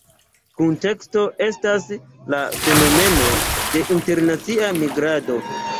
Kunteksto estas la fenomeno de internacia migrado.